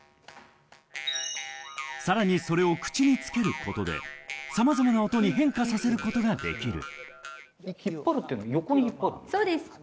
さらにそれを口につけることでさまざまな音に変化させることができる。